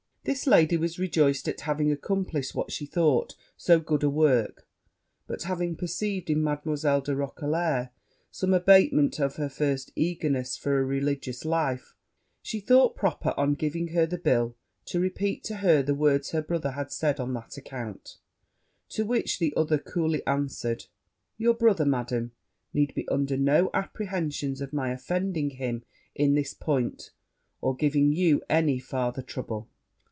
This lady was rejoiced at having accomplished what she thought so good a work; but, having perceived in Mademoiselle de Roquelair some abatement of her first eagerness for a religious life, she thought proper, on giving her the bill, to repeat to her the words her brother had said on that account: to which the other coolly answered, 'Your brother, Madam, need be under no apprehensions of my offending him in this point, or of giving you any farther trouble.'